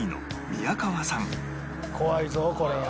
怖いぞこれは。